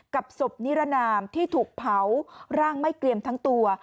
ศพนิรนามที่ถูกเผาร่างไม่เกลี่ยมทั้งตัว